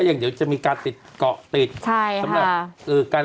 สามค่ะบรรสงครานนะครับ